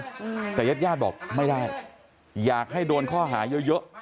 อืมแต่ญาติญาติบอกไม่ได้อยากให้โดนข้อหาเยอะเยอะ